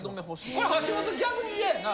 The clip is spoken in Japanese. これ橋本逆に嫌やな？